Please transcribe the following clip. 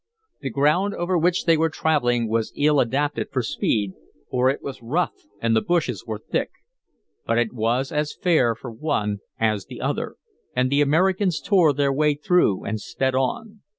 The ground over which they were traveling was ill adapted for speed, for it was rough and the bushes were thick. But it was as fair for one as the other, and the Americans tore their way through and sped on.